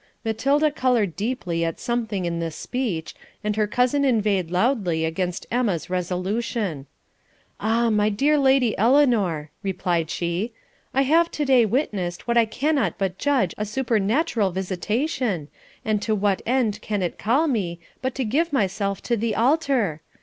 Matilda coloured deeply at something in this speech, and her cousin inveighed loudly against Emma's resolution. 'Ah, my dear lady Eleanor,' replied she, 'I have to day witnessed what I cannot but judge a supernatural visitation, and to what end can it call me but to give myself to the altar?